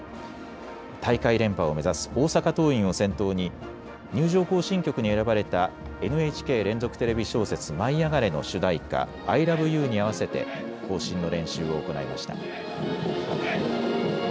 大会連覇を目指す大阪桐蔭を先頭に入場行進曲に選ばれたＮＨＫ連続テレビ小説舞いあがれ！の主題歌アイラブユーに合わせて行進の練習を行いました。